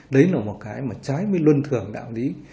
đấy là một cái mà trái với luân thường đạo lý